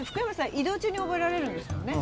移動中に覚えられるんですもんね